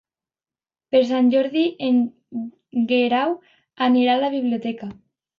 Per Sant Jordi en Guerau anirà a la biblioteca.